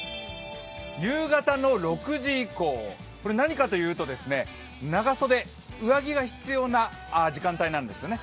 夕方の６時以降、何かというと、長袖、上着が必要な時間帯なんですよね。